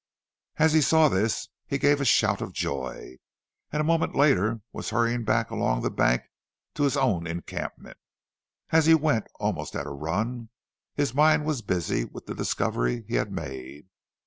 As he saw this he gave a shout of joy, and a moment later was hurrying back along the bank to his own encampment. As he went, almost at a run, his mind was busy with the discovery he had made.